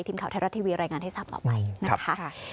ทีมข่าวไทยรัฐทีวีรายงานให้ทราบต่อไปนะคะ